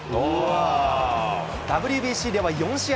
ＷＢＣでは４試合